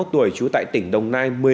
ba mươi một tuổi trú tại tỉnh đồng nai